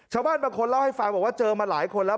ชาวบ้านบางคนเล่าให้ฟังบอกว่าเจอมาหลายคนแล้ว